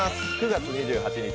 ９月２８日